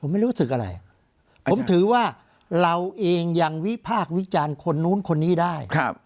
ไม่รู้สึกอะไรผมถือว่าเราเองยังวิพากษ์วิจารณ์คนนู้นคนนี้ได้